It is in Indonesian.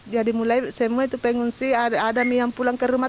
jadi mulai semua itu pengungsi ada yang pulang ke rumah